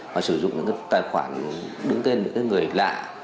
mà sử dụng những cái tài khoản đứng tên những cái người lạ